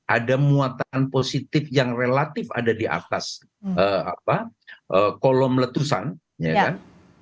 ada muatan positif yang relatif ada di atas kolom letusan ya kan